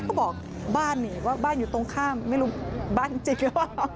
บอกบ้านนี่ว่าบ้านอยู่ตรงข้ามไม่รู้บ้านจริงหรือเปล่า